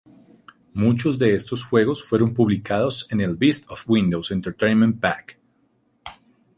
Muchos de estos juegos fueron publicados en el Best of Windows Entertainment Pack.